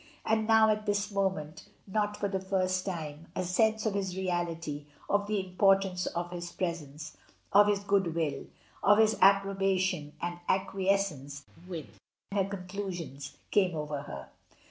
And now at this moment, not for the first time, a sense of his reality, of the importance of his pre sence, of his good will, of his approbation and ac quiescence with her conclusions came over her.